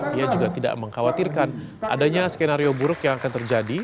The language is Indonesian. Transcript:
dia juga tidak mengkhawatirkan adanya skenario buruk yang akan terjadi